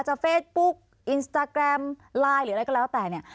เฟซบุ๊กอินสตาแกรมไลน์หรืออะไรก็แล้วแต่เนี่ย